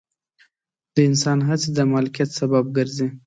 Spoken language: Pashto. د انسان هڅې د مالکیت سبب ګرځي.